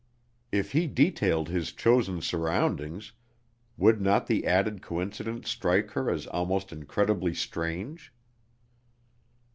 If he detailed his chosen surroundings, would not the added coincidence strike her as almost incredibly strange?